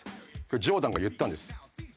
ジョーダンが言ったんです